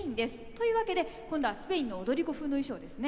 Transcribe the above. というわけで今度はスペインの踊り子風の衣装ですね。